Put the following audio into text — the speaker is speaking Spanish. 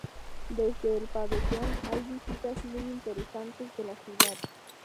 Desde el pabellón hay vistas muy interesantes de la ciudad.